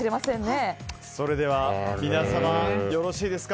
それでは皆様、よろしいですか。